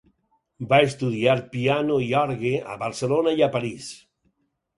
Va estudiar piano i orgue a Barcelona i a París.